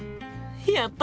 やった！